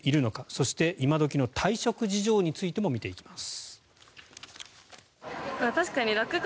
そして今時の退職事情についても見ていきます。